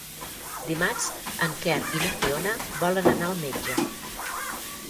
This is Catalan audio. Dimarts en Quer i na Fiona volen anar al metge.